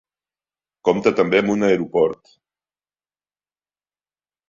Compta també amb un aeroport.